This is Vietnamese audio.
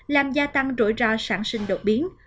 làm gia tăng rủi ro sản sinh đột biến